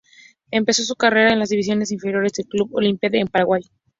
Empezó su carrera en las divisiones inferiores del Club Olimpia de Paraguay.